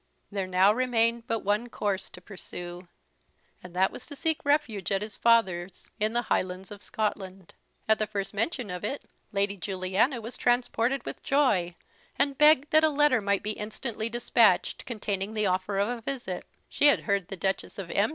There now remained but one course to pursue; and that was to seek refuge at his father's, in the Highlands of Scotland. At the first mention of it Lady Juliana was transported with joy, and begged that a letter might be instantly despatched, containing the offer of a visit: she had heard the Duchess of M.